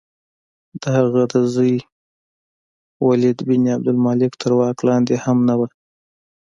د هغه د زوی ولید بن عبدالملک تر واک لاندې هم نه وه.